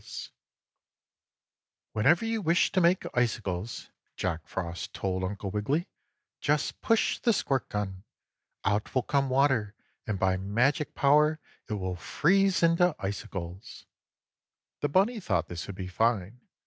2. "Whenever you wish to make icicles," Jack Frost told Uncle Wiggily, "just push the squirt gun. Out will come water, and by magic power it will freeze into icicles." The bunny thought this would be fine.